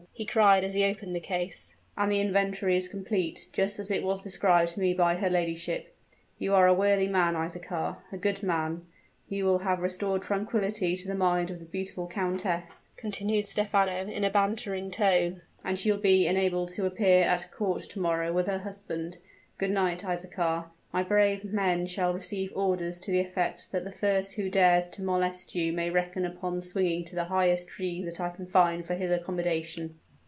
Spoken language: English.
he cried, as he opened the case. "And the inventory is complete, just as it was described to me by her ladyship. You are a worthy man, Isaachar, a good man; you will have restored tranquillity to the mind of the beautiful countess," continued Stephano, in a bantering tone: "and she will be enabled to appear at court to morrow, with her husband. Good night, Isaachar; my brave men shall receive orders to the effect that the first who dares to molest you may reckon upon swinging to the highest tree that I can find for his accommodation."